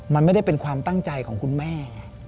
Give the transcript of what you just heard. มันไม่ได้เป็นความตั้งใจของคุณแม่